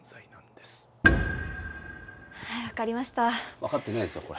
分かってないですよこれ。